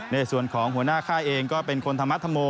ในส่วนของหัวหน้าค่ายเองก็เป็นคนธรรมธรโม